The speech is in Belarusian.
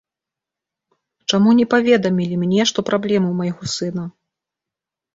Чаму не паведамілі мне, што праблемы ў майго сына?